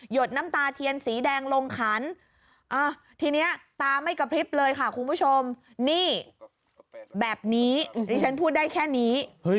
ดน้ำตาเทียนสีแดงลงขันทีนี้ตาไม่กระพริบเลยค่ะคุณผู้ชมนี่แบบนี้ดิฉันพูดได้แค่นี้